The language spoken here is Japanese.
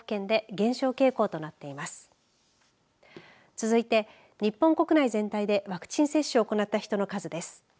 続いて日本国内全体でワクチン接種を行った人の数です。